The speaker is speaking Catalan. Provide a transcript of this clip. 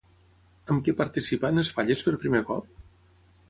Amb què participa en les Falles per primer cop?